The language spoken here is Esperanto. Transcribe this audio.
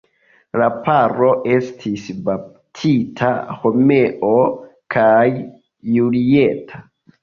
La paro estis baptita Romeo kaj Julieta.